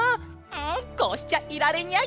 うんこうしちゃいられニャイ！